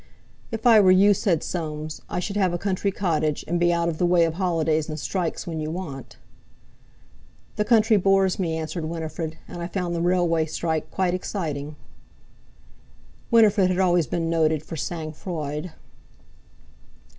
"If I were you," said Soames, "I should have a country cottage, and be out of the way of holidays and strikes when you want." "The country bores me," answered Winifred, "and I found the railway strike quite exciting." Winifred had always been noted for sang froid.